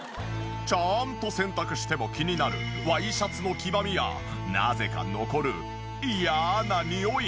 ちゃんと洗濯しても気になるワイシャツの黄ばみやなぜか残る嫌なニオイ。